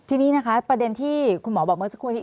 ทีนี้นะคะประเด็นที่คุณหมอบอกเมื่อสักครู่นี้